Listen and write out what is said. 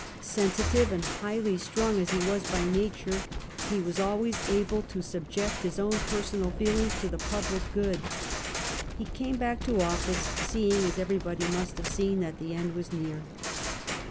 Sensitive and highly strung as he was by nature, he was always able to subject his own personal feelings to the public good. He came back to office seeing, as everybody must have seen, that the end was near.